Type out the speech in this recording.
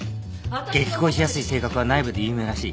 激高しやすい性格は内部で有名らしい。